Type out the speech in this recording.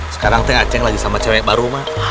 sekarang tuh acek lagi sama cewek baru mak